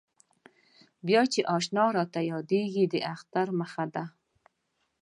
بیا چې اشنا راته یادېږي د اختر مخه ده.